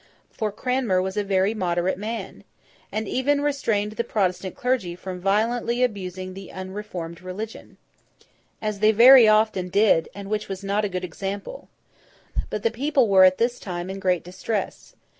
For Cranmer was a very moderate man, and even restrained the Protestant clergy from violently abusing the unreformed religion—as they very often did, and which was not a good example. But the people were at this time in great distress.